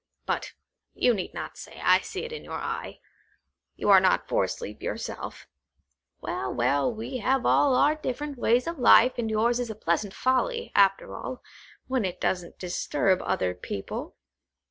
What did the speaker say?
But you need not say; I see it in your eye. You are not for sleep yourself. Well, well, we have all our different ways of life, and yours is a pleasant folly, after all, when it doesn't disturb other people.